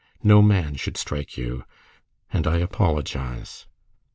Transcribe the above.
No man should strike you and I apologize."